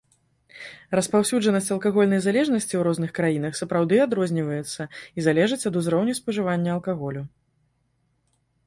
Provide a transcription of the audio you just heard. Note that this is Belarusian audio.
Распаўсюджанасць алкагольнай залежнасці ў розных краінах сапраўды адрозніваецца і залежыць ад узроўню спажывання алкаголю.